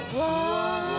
うわ！